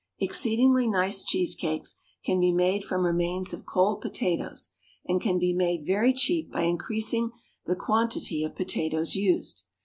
Exceedingly nice cheese cakes can be made from remains of cold potatoes, and can be made very cheap by increasing the quantity of potatoes used.